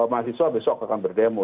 mahasiswa besok akan berdemo